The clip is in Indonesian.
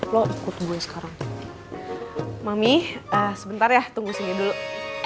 lo kau tungguin sekarang mami sebentar ya tunggu ' actually yo